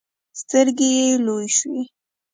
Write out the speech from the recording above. سترګې يې لویې شوې.